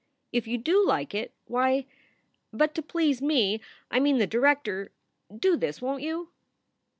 If you do like it, why But to please me I mean the director do this, won t you?"